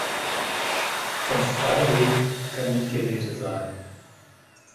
Von freiwillig kann nicht die Rede sein.